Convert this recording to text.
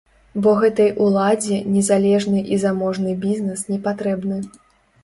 Бо гэтай уладзе незалежны і заможны бізнэс не патрэбны.